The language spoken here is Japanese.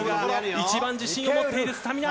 一番自信を持っているスタミナ。